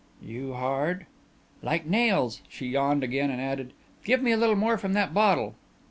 "You hard?" "Like nails." She yawned again and added, "Give me a little more from that bottle."